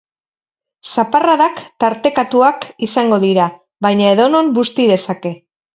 Zaparradak tartekatuak izango dira, baina edonon busti dezake.